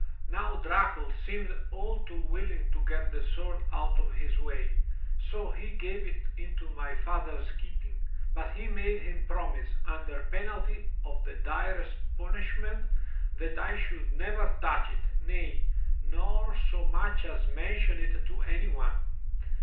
Now Dracul seemed all too willing to get the sword out of his way, so he gave it into my father's keeping, but he made him promise, under penalty of the direst punishment, that I should never touch it, nay, nor so much as mention it to anyone.